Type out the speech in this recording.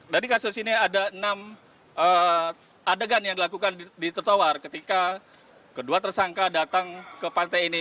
dari kasus ini ada enam adegan yang dilakukan di trotoar ketika kedua tersangka datang ke pantai ini